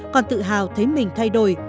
con tự hào thấy mình thay đổi